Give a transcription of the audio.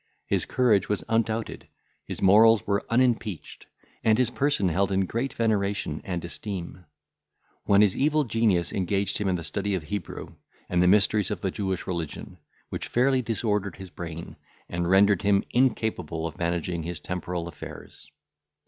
His courage was undoubted, his morals were unimpeached, and his person held in great veneration and esteem; when his evil genius engaged him in the study of Hebrew, and the mysteries of the Jewish religion, which fairly disordered his brain, and rendered him incapable of managing his temporal affairs.